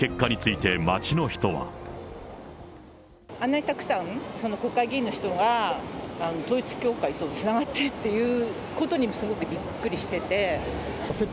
あんなにたくさん、国会議員の人が統一教会とつながっているっていうことにすごくびっくりしてて。